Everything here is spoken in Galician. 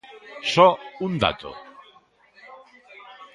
Só un dato.